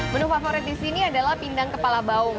menu favorit di sini adalah pindang kepala baung